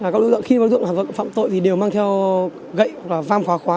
các đối tượng khi phát hiện ra hành vi phạm tội thì đều mang theo gậy và vang khóa khóa